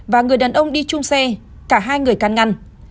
và người đàn ông đi chung xe cả hai người can ngăn